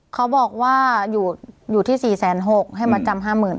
เขาบอกว่าอยู่ที่๔๖๐๐ให้มาจำ๕๐๐๐